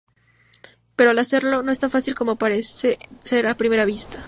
Pero al hacerlo, no es tan fácil como parece ser a primera vista.